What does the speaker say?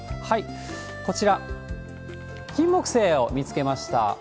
こちら、キンモクセイを見つけました。